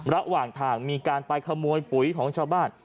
ระหว่างทางมีการไปขโมยปุ๋ยของชาวบ้าน